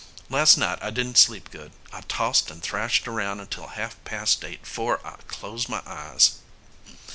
"Last night I didn't sleep good. I tossed and thrashed around until half past eight 'fore I closed my eyes."